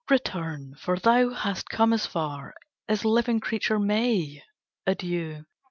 Return, for thou hast come as far As living creature may. Adieu!